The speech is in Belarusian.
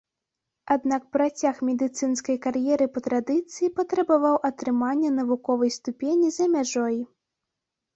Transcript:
Аднак працяг медыцынскай кар'еры па традыцыі патрабаваў атрымання навуковай ступені за мяжой.